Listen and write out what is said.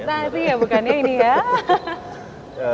rahasia bukannya ini ya